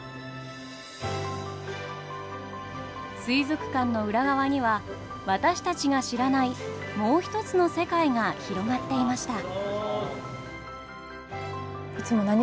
水族館の裏側には私たちが知らないもうひとつの世界が広がっていました。